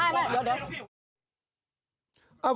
ไม่เดี๋ยว